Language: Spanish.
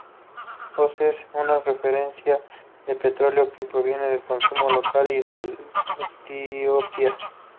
Posee una refinería de petróleo que provee el consumo local y el de Etiopía.